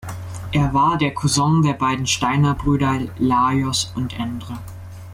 Er war der Cousin der beiden Steiner-Brüder Lajos und Endre.